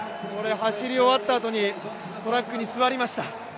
走り終わったあとにトラックに座りました